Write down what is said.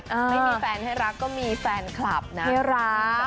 ไม่มีแฟนให้รักก็มีแฟนคลับนะที่รัก